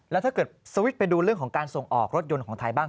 แล้วถ้าเกิดสวิตช์ไปดูเรื่องของการส่งออกรถยนต์ของไทยบ้าง